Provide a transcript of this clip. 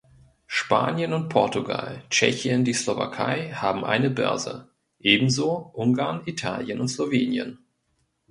Spanien und Portugal, Tschechien, die Slowakei haben eine Börse; ebenso Ungarn, Italien und Slowenien.